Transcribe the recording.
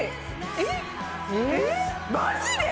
えっマジで？